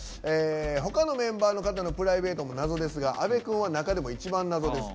ほかのメンバーのプライベートも謎ですが阿部君は中でも一番謎です。